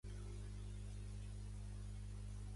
Rifle en el seu escut d'armes.